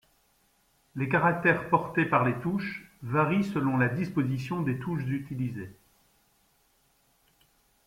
Les caractères portés par les touches varient selon la disposition des touches utilisée.